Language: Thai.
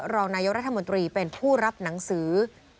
รองนายกรัฐมนตรีเป็นผู้รับหนังสือ